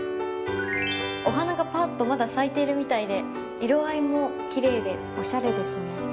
お花がパッとまだ咲いてるみたいで色合いも奇麗でおしゃれですね。